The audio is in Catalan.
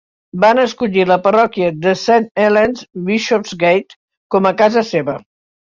Van escollir la parròquia de Saint Helen's Bishopsgate com a casa seva.